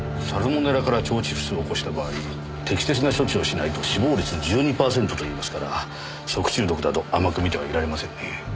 サルモネラから腸チフスを起こした場合適切な処置をしないと死亡率１２パーセントといいますから食中毒だと甘く見てはいられませんね。